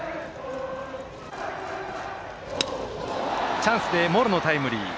チャンスで茂呂のタイムリー。